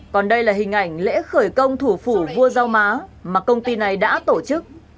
còn đây là hình ảnh lễ khởi công thủ phủ vua rau má mà công ty này đã tổ chức